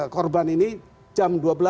korban ini jam dua belas